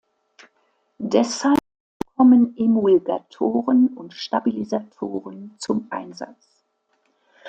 Deshalb kommen Emulgatoren und Stabilisatoren zum Einsatz.